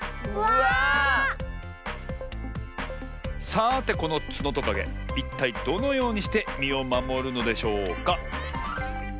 さてこのツノトカゲいったいどのようにしてみをまもるのでしょうか？